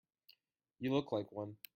You look like one.